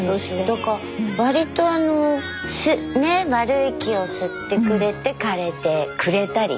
だから割とねえ悪い気を吸ってくれて枯れてくれたり。